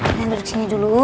reina duduk sini dulu